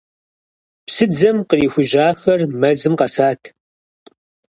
Псыдзэм кърихужьахэр мэзым къэсат.